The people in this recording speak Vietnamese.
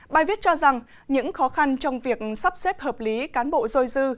bài viết cho rằng những khó khăn trong việc sắp xếp hợp lý cán bộ dôi dư